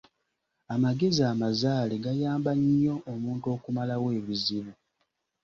Amagezi amazaale gayamba nnyo omuntu okumalawo ebizibu.